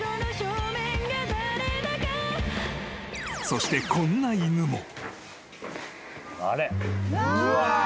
［そしてこんな犬も］